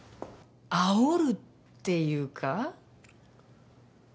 あおるっていうか？